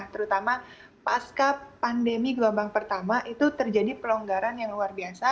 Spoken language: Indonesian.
terutama pasca pandemi gelombang pertama itu terjadi pelonggaran yang luar biasa